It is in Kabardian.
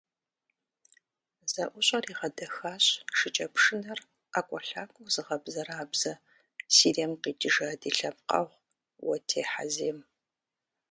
ЗэӀущӀэр игъэдэхащ шыкӀэпшынэр ӀэкӀуэлъакӀуэу зыгъэбзэрабзэ, Сирием къикӏыжа ди лъэпкъэгъу - Уэтей Хьэзем.